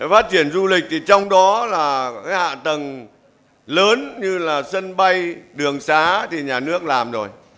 phát triển du lịch thì trong đó là cái hạ tầng lớn như là sân bay đường xá thì nhà nước làm rồi